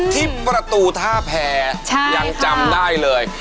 ที่ประตูท่าแพรยังจำได้เลย